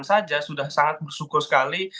saja sudah sangat bersyukur sekali